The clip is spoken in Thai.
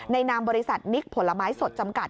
นามบริษัทนิกผลไม้สดจำกัด